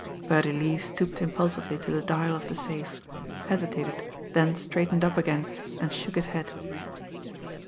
Birdie Lee stooped impulsively to the dial of the safe; hesitated, then straightened up again, and shook his head.